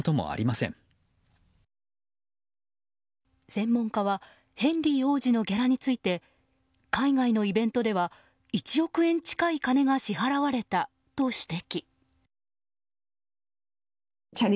専門家はヘンリー王子のギャラについて海外のイベントでは１億円近い金が支払われたと指摘。